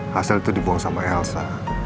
hasil itu dibuang sama elsa